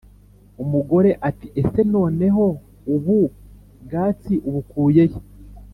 Umugore ati « ese noneho ubu bwatsi ubukuye he ?»